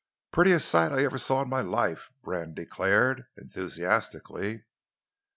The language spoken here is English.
"Prettiest sight I ever saw in my life," Brand declared enthusiastically.